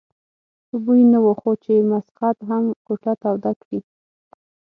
په بوی نه وو خو چې مسخد هم کوټه توده کړي.